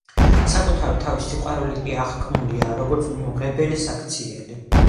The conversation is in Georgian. საკუთარი თავის სიყვარული კი აღქმულია, როგორც მიუღებელი საქციელი.